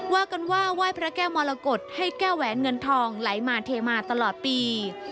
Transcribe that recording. ว่ากันว่าไหว้พระแก้วมรกฏให้แก้แหวนเงินทองไหลมาเทมาตลอดปี